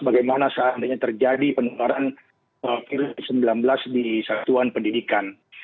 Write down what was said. bagaimana seandainya terjadi penularan covid sembilan belas di satuan pendidikan